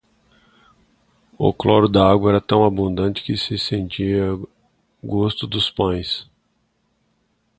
O cloro na água era tão abundante que se sentia o gosto nos pães.